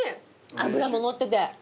脂も乗ってて。